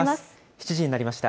７時になりました。